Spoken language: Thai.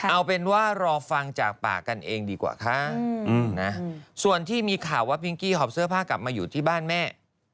เอาเป็นว่ารอฟังจากปากกันเองดีกว่าค่ะนะส่วนที่มีข่าวว่าพิงกี้หอบเสื้อผ้ากลับมาอยู่ที่บ้านแม่